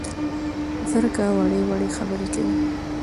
زرکه وړې وړې خبرې کوي